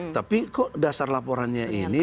tapi kok dasar laporannya ini